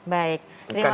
baik terima kasih